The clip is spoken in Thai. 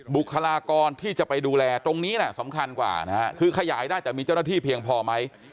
บุคลากรที่จะไปดูแลตรงนี้สำคัญกว่านะฮะคือขยายได้แต่มีเจ้าหน้าที่เพียงพอไหม